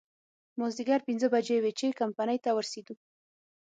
مازديګر پينځه بجې وې چې کمپنۍ ته ورسېدو.